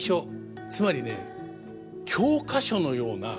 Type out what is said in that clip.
つまりね教科書のような踊りです。